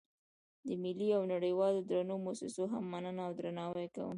له ملي او نړیوالو درنو موسسو هم مننه او درناوی کوم.